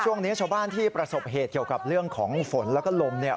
ช่วงนี้ชาวบ้านที่ประสบเหตุเกี่ยวกับเรื่องของฝนแล้วก็ลมเนี่ย